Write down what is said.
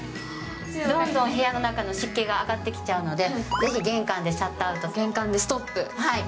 どんどん部屋の中の湿気が上がってきちゃうので、ぜひ玄関でシャ玄関でストップ。